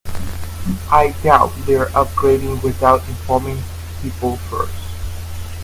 I doubt they're upgrading without informing people first.